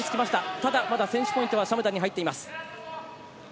ただ、まだ先取ポイントはシャムダンに入っています。